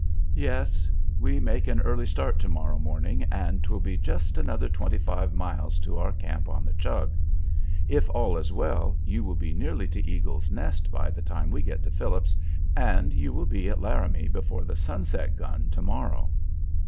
"Yes. We make an early start to morrow morning, and 'twill be just another twenty five miles to our camp on the Chug. If all is well you will be nearly to Eagle's Nest by the time we get to Phillips's, and you will be at Laramie before the sunset gun to morrow.